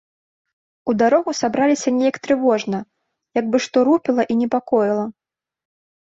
У дарогу сабраліся нейк трывожна, як бы што рупіла і непакоіла.